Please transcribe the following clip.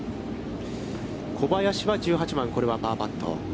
小林は１８番、これはパーパット。